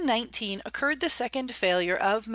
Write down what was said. In 1819 occurred the second failure of M.